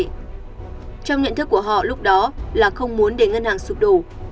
trong nhận thức của họ lúc đó là không muốn để ngân hàng sụp đổ